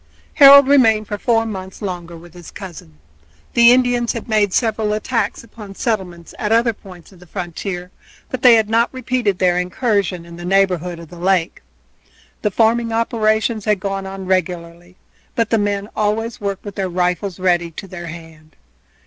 Harold remained for four months longer with his cousin. The Indians had made several attacks upon settlements at other points of the frontier, but they had not repeated their incursion in the neighborhood of the lake. The farming operations had gone on regularly, but the men always worked with their rifles ready to their hand.